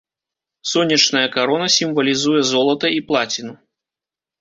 Сонечная карона сімвалізуе золата і плаціну.